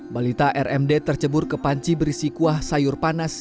balita rmd tercebur ke panci berisi kuah sayur panas